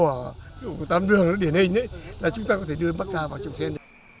với những dĩa tính chè của tăm đường điển hình chúng ta có thể đưa mắc ca vào trồng sen